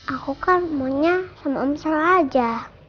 aku kan maunya sama omset aja